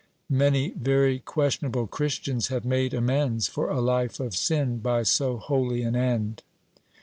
Many very questionable Christians have made amends for a life of sin by so holy an end.